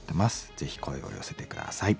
ぜひ声を寄せて下さい。